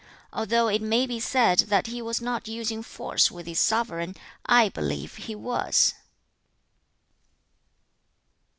Although it may be said that he was not using force with his sovereign, I believe he was.'